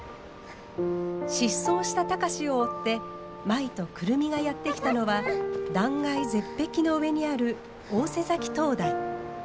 失踪した貴司を追って舞と久留美がやって来たのは断崖絶壁の上にある大瀬埼灯台。